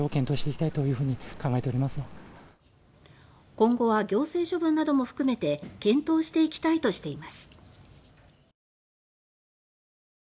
今後は「行政処分なども含めて検討していきたい」としています。